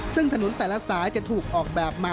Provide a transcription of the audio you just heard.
ซึ่งถนนแต่ละสายจะถูกออกแบบมา